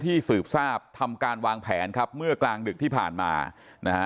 สืบทราบทำการวางแผนครับเมื่อกลางดึกที่ผ่านมานะฮะ